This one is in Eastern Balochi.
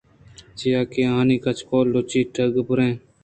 چیاکہ آئی ءِ کچول لُچّی ءُ ٹگی ءَ پُرّیں